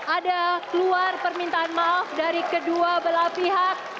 ada keluar permintaan maaf dari kedua belah pihak